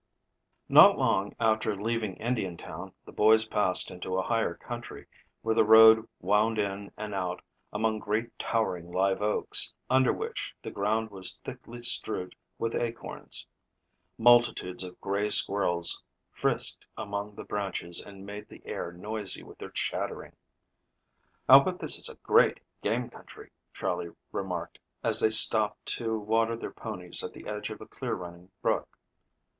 NOT long after leaving Indiantown the boys passed into a higher country, where the road wound in and out among great towering live oaks, under which the ground was thickly strewed with acorns. Multitudes of gray squirrels frisked among the branches and made the air noisy with their chattering. "I'll bet this is a great game country," Charley remarked, as they stopped to water their ponies at the edge of a clear running brook.